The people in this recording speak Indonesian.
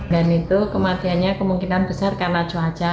dan itu kematiannya kemungkinan besar karena cuaca